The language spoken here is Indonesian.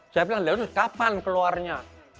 saya bilang kapan keluarnya